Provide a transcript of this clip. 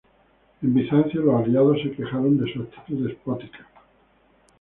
En Bizancio los aliados se quejaron de su actitud despótica.